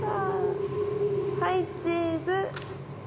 はいチーズ。